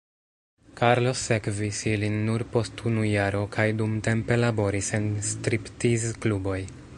Carlos sekvis ilin nur post unu jaro kaj dumtempe laboris en striptiz-kluboj.